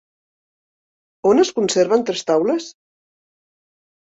On es conserven tres taules?